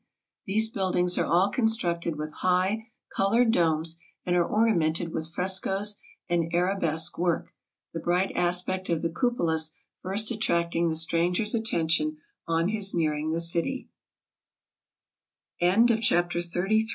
These buildings are all constructed with high, colored domes, and are ornamented with frescos and arabesque work, the bright aspect of the cupolas first at tracting the stranger's attention on his nearing the cit